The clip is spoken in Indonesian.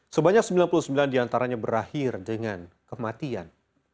sebanyak sembilan puluh sembilan diantaranya berakhir dengan kematian